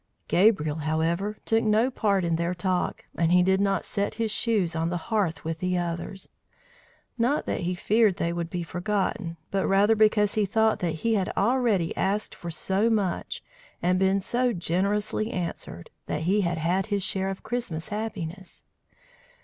Gabriel, however, took no part in their talk, and he did not set his shoes on the hearth with the others; not that he feared they would be forgotten, but rather because he thought that he had already asked for so much and been so generously answered, that he had had his share of Christmas happiness.